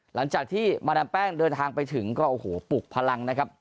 หลังจากที่มาดามแป้งเดินทางไปถึงก็โอ้โหปลุกพลังนะครับ